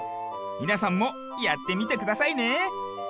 みなさんもやってみてくださいね。